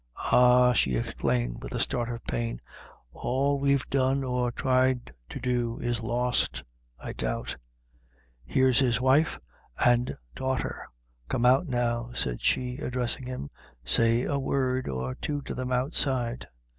Ah," she exclaimed with a start of pain, "all we've done or tried to do is lost, I doubt. Here's his wife and daughter. Come out now," said she addressing him, "say a word or two to them outside."